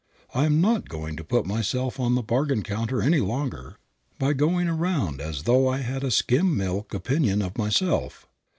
I am not going to put myself on the bargain counter any longer by going around as though I had a skim milk opinion of myself.